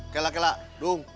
kelak kelak dong